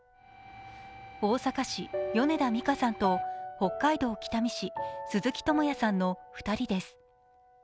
大阪市、米田美佳さんと北海道北見市鈴木智也さんの２人です。